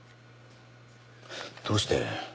どうして？